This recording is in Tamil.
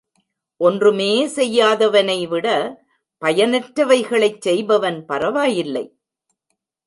ஒன்றுமே செய்யாதவனை விட, பயனற்ற வைகளைச் செய்பவன் பரவாயில்லை.